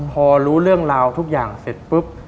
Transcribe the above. พอรู้เรื่องราวทุกอย่างเสร็จปุ๊บ